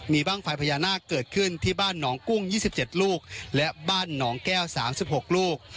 มีบ้างไฟพญานาคเกิดขึ้นที่บ้านหนองกุ้ง๒๗ลูกและบ้านหนองแก้ว๓๖ลูก